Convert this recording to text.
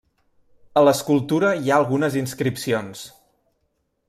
A l'escultura hi ha algunes inscripcions.